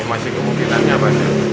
ini masih kemungkinannya banyak